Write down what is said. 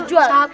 dijual semua ibu